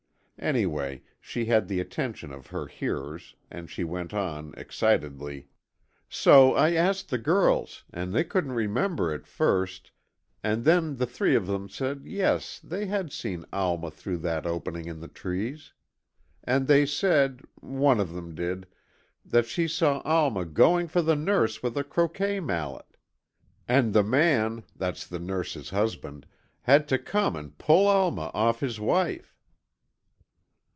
Anyway, she had the attention of her hearers and she went on, excitedly: "So, I asked the girls, and they couldn't remember at first, and then the three of them said yes, they had seen Alma through that opening in the trees. And they said—one of them did—that she saw Alma going for the nurse with a croquet mallet. And the man—that's the nurse's husband—had to come and pull Alma off of his wife!"